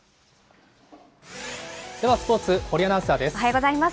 ではスポーツ、堀アナウンサーです。